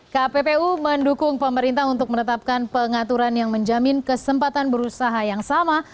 kppu mendukung pemerintah untuk menetapkan pengaturan yang menjamin kesempatan berusaha yang sama